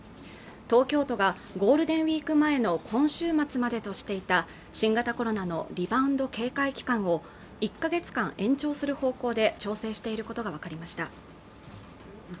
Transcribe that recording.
東京都がゴールデンウィーク前の今週末までとしていた新型コロナのリバウンド警戒期間を１か月間延長する方向で調整していることが分かりました